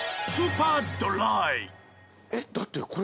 えっだってこれ。